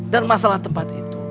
dan masalah tempat itu